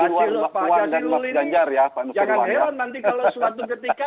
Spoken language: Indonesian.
jangan lupa nanti kalau suatu ketika